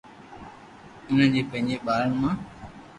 انهن جي پنجن ٻارن مان،